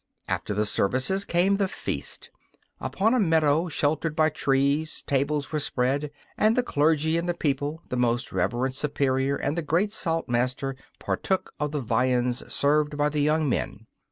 After the services came the feast. Upon a meadow sheltered by trees tables were spread, and the clergy and the people, the most reverend Superior and the great Saltmaster partook of the viands served by the young men.